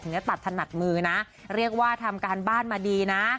เนี่ยตัดถนัดมือนะเรียกว่าทำการบ้านมาดีนะ